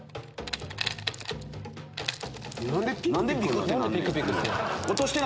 何でピクってなんの？